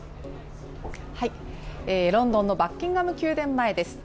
ロンドンのバッキンガム宮殿前です。